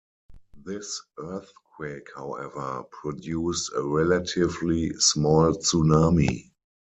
This earthquake, however, produced a relatively small tsunami.